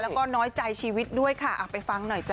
แล้วก็น้อยใจชีวิตด้วยค่ะไปฟังหน่อยจ้